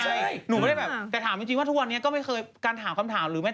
ใช่หนูไม่ได้แบบแต่ถามจริงว่าทุกวันนี้ก็ไม่เคยการถามคำถามหรือไม่